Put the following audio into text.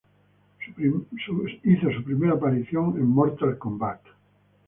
Hizo su primera aparición en Mortal Kombat.